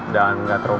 dan nggak trauma juga